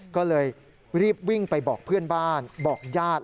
ก็เลยรีบวิ่งไปบอกเพื่อนบ้านบอกญาติ